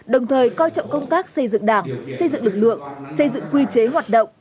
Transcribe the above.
đồng thời coi trọng công tác xây dựng đảng xây dựng lực lượng xây dựng quy chế hoạt động